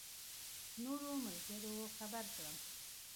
نورو ملګرو خبر کړم.